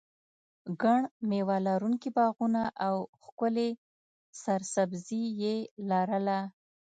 ګڼ مېوه لرونکي باغونه او ښکلې سرسبزي یې لرله.